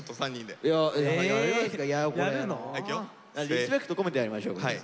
リスペクト込めてやりましょうよ。